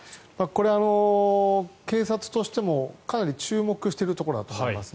これ、警察としてもかなり注目しているところだと思います。